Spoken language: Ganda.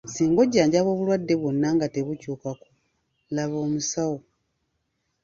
Singa ojjanjaba obulwadde bwonna nga tebukyukako laba omusawo.